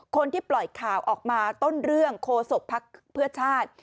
คนที่ปล่อยข่าวออกมาต้นเรื่องโคศกภักดิ์เพื่อชาติ